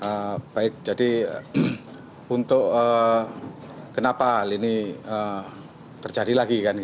ya baik jadi untuk kenapa hal ini terjadi lagi kan